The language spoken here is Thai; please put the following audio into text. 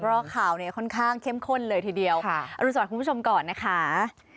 เพราะข่าวเนี่ยค่อนข้างเข้มข้นเลยทีเดียวรุณสวัสดิคุณผู้ชมก่อนนะคะ